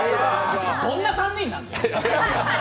どんな３人なんだよ。